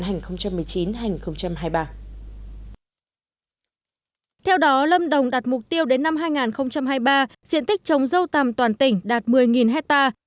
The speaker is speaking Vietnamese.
theo đó lâm đồng đặt mục tiêu đến năm hai nghìn hai mươi ba diện tích chống dâu tầm toàn tỉnh đạt một mươi hectare